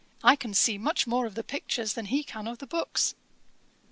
I can see much more of the pictures than he can of the books.'